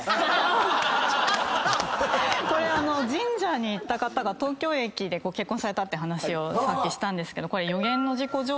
これ神社に行った方が東京駅で結婚されたって話をさっきしたんですけど。